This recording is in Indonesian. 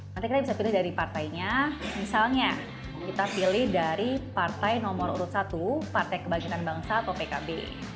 nanti kita bisa pilih dari partainya misalnya kita pilih dari partai nomor urut satu partai kebangkitan bangsa atau pkb